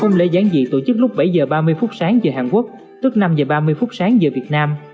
hôm lễ giáng dị tổ chức lúc bảy h ba mươi phút sáng giờ hàn quốc tức năm h ba mươi phút sáng giờ việt nam